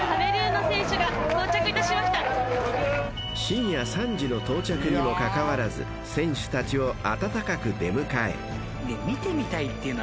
［深夜３時の到着にもかかわらず選手たちを温かく出迎え］